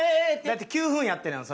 だって９分やってるやん